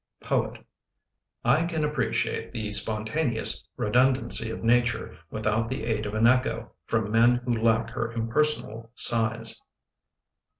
Poet I can appreciate The spontaneous redundancy of nature Without the aid of an echo From men who lack her impersonal size.